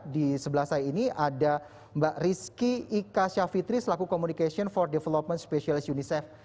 di sebelah saya ini ada mbak rizky ika syafitri selaku communication for development specialist unicef